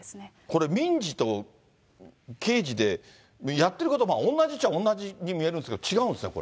これ、民事と刑事でやってること同じっちゃ同じに見えるんですけど、違そうですね。